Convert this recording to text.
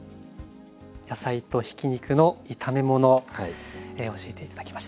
野菜とひき肉の炒め物教えて頂きました。